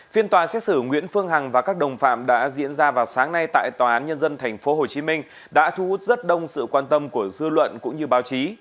phiên tòa xét xử nguyễn phương hằng và các đồng phạm đã diễn ra vào sáng nay tại tòa án nhân dân tp hcm đã thu hút rất đông sự quan tâm của dư luận cũng như báo chí